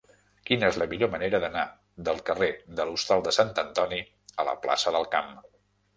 Quina és la millor manera d'anar del carrer de l'Hostal de Sant Antoni a la plaça del Camp?